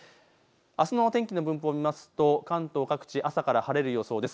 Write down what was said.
あすの天気の分布を見ますと関東各地、朝から晴れる予想です。